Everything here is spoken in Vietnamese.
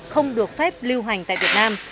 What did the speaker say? không được phép lưu hành tại việt nam